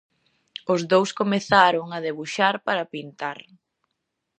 Os dous comezaron a debuxar para pintar.